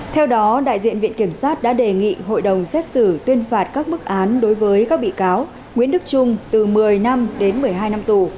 theo đó đại diện viện kiểm sát đã đề nghị hội đồng xét xử tuyên phạt các bức án đối với các bị cáo nguyễn đức trung từ một mươi năm đến một mươi hai năm tù